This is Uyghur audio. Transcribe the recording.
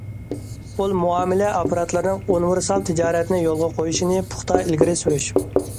پۇل مۇئامىلە ئاپپاراتلىرىنىڭ ئۇنىۋېرسال تىجارەتنى يولغا قويۇشىنى پۇختا ئىلگىرى سۈرۈش.